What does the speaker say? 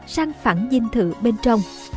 sang phẳng dinh thự bên trong